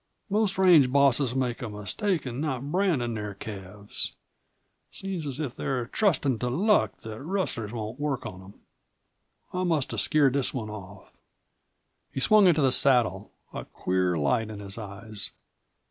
Most range bosses make a mistake in not brandin' their calves. Seems as if they're trustin' to luck that rustlers won't work on them. I must have scared this one off." He swung into the saddle, a queer light in his eyes.